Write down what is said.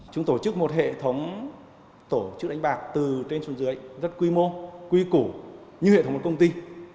chúng tổ chức một hệ thống tổ chức đánh bạc từ trên xuống dưới rất quy mô quy củ như hệ thống một công ty